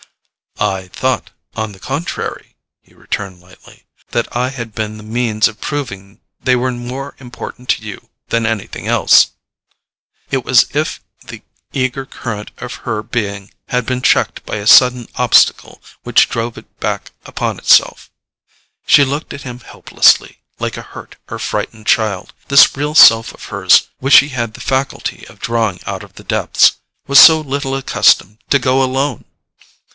"I thought, on the contrary," he returned lightly, "that I had been the means of proving they were more important to you than anything else." It was as if the eager current of her being had been checked by a sudden obstacle which drove it back upon itself. She looked at him helplessly, like a hurt or frightened child: this real self of hers, which he had the faculty of drawing out of the depths, was so little accustomed to go alone!